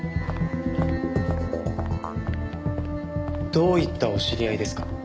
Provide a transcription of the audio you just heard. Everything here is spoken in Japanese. どういったお知り合いですか？